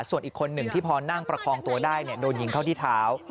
ส่วนอีกคนหนึ่งที่พอนั่งประคองตัวได้โดนยิงเข้าที่เท้า